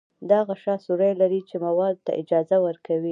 دا غشا سوري لري چې موادو ته اجازه ورکوي.